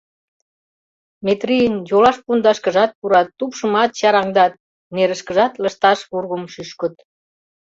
Метрийын йолаш пундашкыжат пурат, тупшымат чараҥдат, нерышкыжат лышташ вургым шӱшкыт.